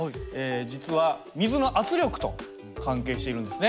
実は水の圧力と関係しているんですね。